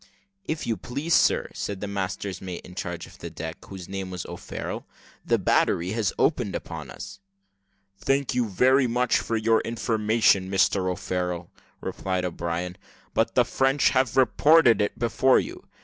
"If you please, sir," said the master's mate in charge of the deck, whose name was O'Farrel, "the battery has opened upon us." "Thank you very much for your information, Mr O'Farrel," replied O'Brien; "but the French have reported it before you.